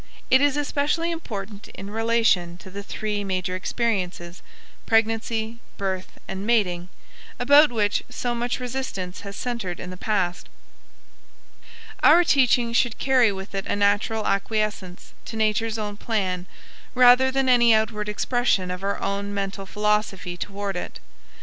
It is especially important in relation to the three major experiences, pregnancy, birth, and mating, about which so much resistance has centered in the past. Our teaching should carry with it a natural acquiescence to Nature's own plan, rather than any outward expression of our own mental philosophy toward it.